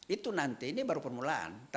itu nanti ini baru permulaan